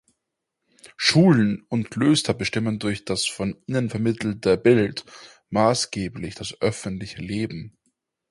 Schulen und Klöster bestimmten durch das von ihnen vermittelte Bild maßgeblich das öffentliche Leben.